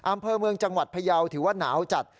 อำเภอเมืองจังหวัดพยาวถือว่าหนาวจัด